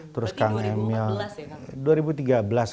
berarti dua ribu empat belas ya kang